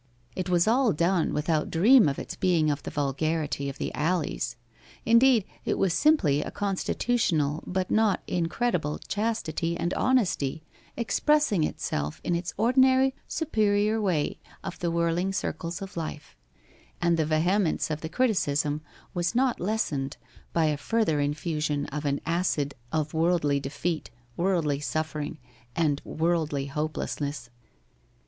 It was all done without dream of its being of the vulgarity of the alleys. Indeed it was simply a constitutional but not incredible chastity and honesty expressing itself in its ordinary superior way of the whirling circles of life, and the vehemence of the criticism was not lessened by a further infusion of an acid of worldly defeat, worldly suffering, and worldly hopelessness.